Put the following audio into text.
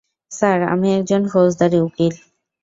Sir, আমি একজন ফৌজদারী উকিল।